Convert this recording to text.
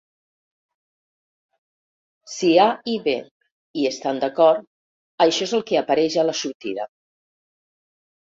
Si "A" i "B" hi estan d"acord, això és el que apareix a la sortida.